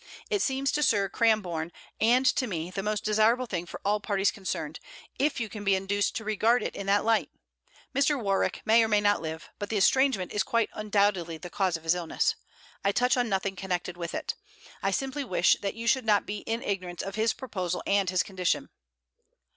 It seems to Sir Cramborne and to me the most desireable thing for all parties concerned, if you can be induced to regard it in that light. Mr. Warwick may or may not live; but the estrangement is quite undoubtedly the cause of his illness. I touch on nothing connected with it. I simply wish that you should not be in ignorance of his proposal and his condition.'